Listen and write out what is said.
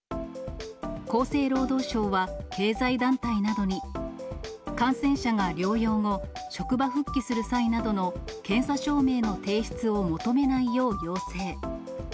厚生労働省は経済団体などに、感染者が療養後、職場復帰する際などの検査証明の提出を求めないよう要請。